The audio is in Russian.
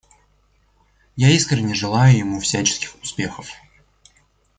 Я искренне желаю ему всяческих успехов.